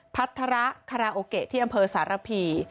พัฒระคาราโอเกะที่อำเภอสารพี